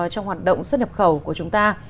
trong hoạt động xuất nhập khẩu của chúng ta